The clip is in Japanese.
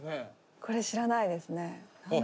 「これ知らないですね」